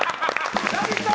ラヴィット！